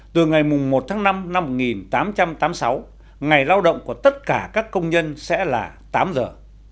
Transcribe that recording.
từ ngày một tháng năm năm một nghìn tám trăm tám mươi sáu ngày lao động của tất cả các công nhân sẽ là tám giờ